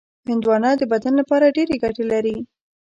هندوانه د بدن لپاره ډېرې ګټې لري.